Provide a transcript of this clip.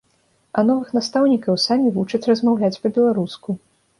А новых настаўнікаў самі вучаць размаўляць па-беларуску.